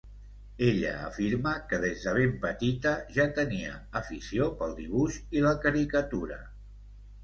Ella afirma que des de ben petita ja tenia afició pel dibuix i la caricatura.